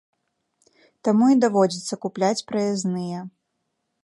Таму і даводзіцца купляць праязныя.